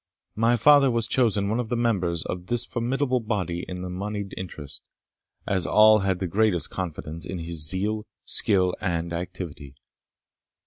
My father was chosen one of the members of this formidable body of the monied interest, as all had the greatest confidence in his zeal, skill, and activity.